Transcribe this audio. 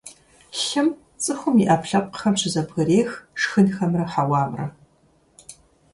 Лъым цӀыхум и Ӏэпкълъэпкъхэм щызэбгрех шхынхэмрэ хьэуамрэ.